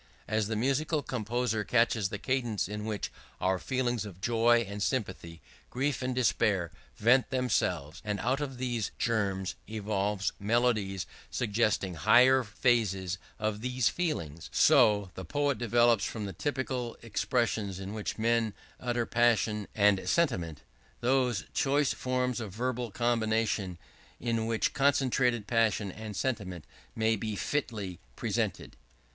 As the musical composer catches the cadences in which our feelings of joy and sympathy, grief and despair, vent themselves, and out of these germs evolves melodies suggesting higher phases of these feelings; I so, the poet develops from the typical expressions in which men utter passion and sentiment, those choice forms of verbal combination in which concentrated passion and sentiment may be fitly presented.